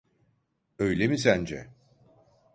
Öyle mi sence?